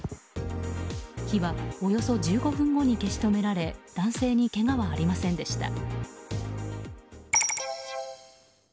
火はおよそ１５分後に消し止められ男性にけがはありませんでした。